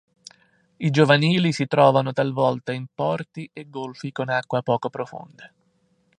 I giovanili si trovano talvolta in porti e golfi con acqua poco profonda.